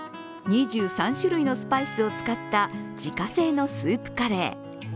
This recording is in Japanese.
２３種類のスパイスを使った自家製のスープカレー。